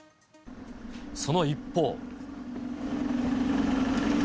その一方。